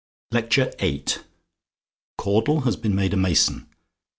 LECTURE VIII CAUDLE HAS BEEN MADE A MASON MRS.